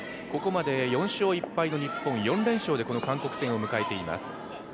ここまで４勝１敗の日本、４連勝でこの韓国戦を迎えています。